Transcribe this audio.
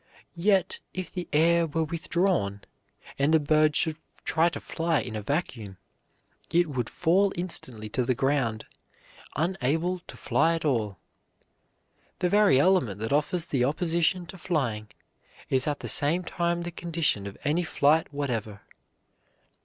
Yet if the air were withdrawn, and the bird should try to fly in a vacuum, it would fall instantly to the ground, unable to fly at all. The very element that offers the opposition to flying is at the same time the condition of any flight whatever.